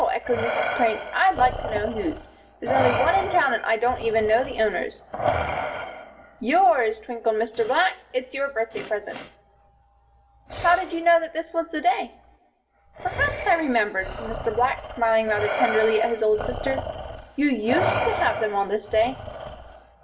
echoed Mrs. Crane. "I'd like to know whose. There's only one in town and I don't know the owners." "Yours," twinkled Mr. Black. "It's your birthday present." "How did you know that this was the day?" "Perhaps I remembered," said Mr. Black, smiling rather tenderly at his old sister. "You used to have them on this day."